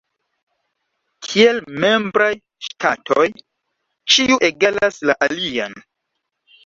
Kiel membraj ŝtatoj, ĉiu egalas la alian.